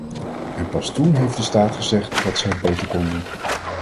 En pas toen heeft de staat gezegd dat ze het beter konden.